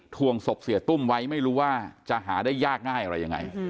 วงศพเสียตุ้มไว้ไม่รู้ว่าจะหาได้ยากง่ายอะไรยังไง